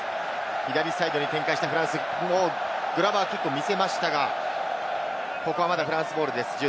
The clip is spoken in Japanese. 左サイドに展開してフランス、グラバーキックを見せましたが、ここはフランスボールです。